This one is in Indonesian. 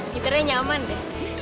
gitarnya nyaman deh